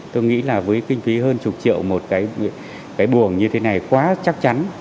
tôi nghĩ là với kinh phí hơn chục triệu một cái buồng như thế này quá chắc chắn